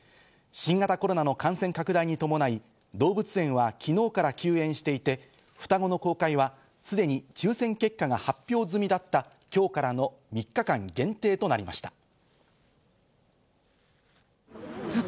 新型コロナの感染拡大に伴い動物園は昨日から休園していて双子の公開はすでに抽選結果が発表済みだった今日からの３日間限定となりました。